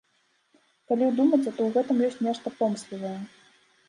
Калі ўдумацца, то ў гэтым ёсць нешта помслівае.